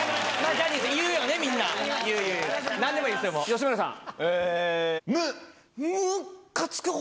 吉村さん。